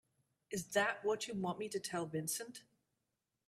Is that what you want me to tell Vincent?